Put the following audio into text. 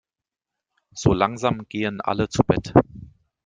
So langsam gehen alle zu Bett.